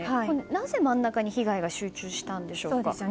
なぜ真ん中に被害が集中したんでしょうか。